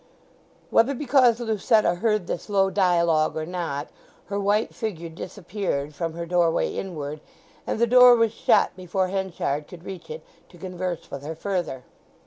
Whether because Lucetta heard this low dialogue, or not her white figure disappeared from her doorway inward, and the door was shut before Henchard could reach it to converse with her further.